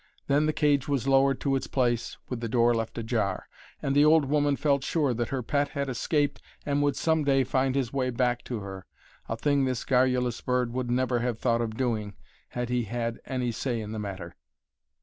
Then the cage was lowered in its place with the door left ajar, and the old woman felt sure that her pet had escaped and would some day find his way back to her a thing this garrulous bird would never have thought of doing had he had any say in the matter.